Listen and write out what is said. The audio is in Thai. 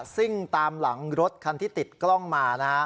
ซิ่งตามหลังรถคันที่ติดกล้องมานะฮะ